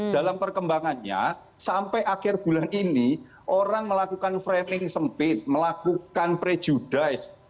dalam perkembangannya sampai akhir bulan ini orang melakukan framing sempit melakukan prejudice